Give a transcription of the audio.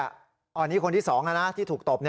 อันนี้คนที่๒ที่ถูกตบ